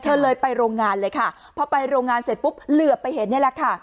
เธอเลยไปโรงงานเลยค่ะพอไปโรงงานเสร็จปุ๊บเหลือไปเห็นนี่แหละค่ะ